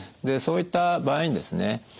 そういった場合にですね